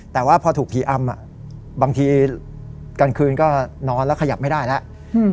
แต่ว่าพอถูกผีอำบางทีกลางคืนก็นอนแล้วขยับไม่ได้แล้ว